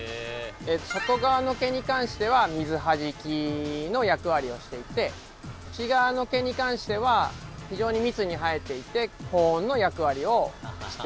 外側の毛に関しては水はじきの役割をしていて内側の毛に関しては非常に密に生えていて保温の役割をしているんですね。